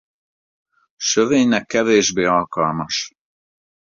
Sövénynek kevésbé alkalmas.